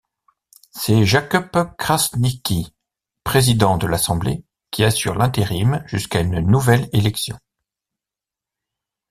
C'est Jakup Krasniqi, président de l'Assemblée, qui assure l'intérim jusqu'à une nouvelle élection.